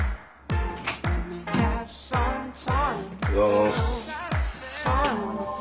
おはようございます。